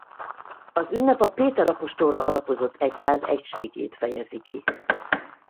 Az ünnep a Péter apostolra alapozott egyház egységét fejezi ki.